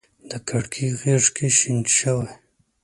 د کړکۍ غیږ کي شین شوی